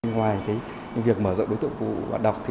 ngoài việc mở rộng đối tượng của bản đọc